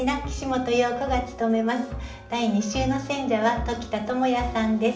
第２週の選者は鴇田智哉さんです。